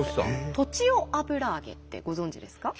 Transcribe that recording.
栃尾油揚げってご存じですか？